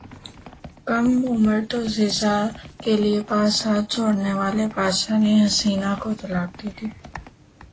کم عمر دوشیزہ کیلئے بادشاہت چھوڑنے والے بادشاہ نے حسینہ کو طلاق دیدی